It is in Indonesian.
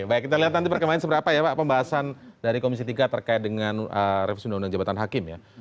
baik kita lihat nanti perkembangan seberapa ya pak pembahasan dari komisi tiga terkait dengan revisi undang undang jabatan hakim ya